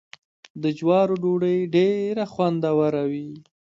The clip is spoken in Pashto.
د جوارو ډوډۍ ډیره خوندوره وي.